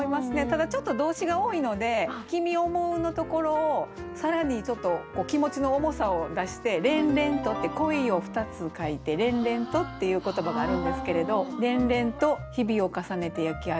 ただちょっと動詞が多いので「君想う」のところを更にちょっと気持ちの重さを出して「恋恋と」って「恋」を２つ書いて「恋恋と」っていう言葉があるんですけれど。